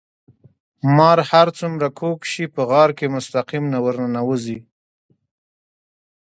مار هر څومره کوږ شي په غار کې مستقيم ورننوزي.